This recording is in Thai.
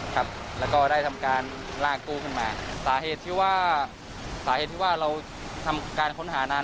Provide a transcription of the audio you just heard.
ครับแล้วก็ได้ทำการลากตู้ขึ้นมาสาเหตุที่ว่าสาเหตุที่ว่าเราทำการค้นหานั้น